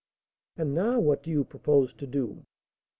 "And now what do you propose to do?"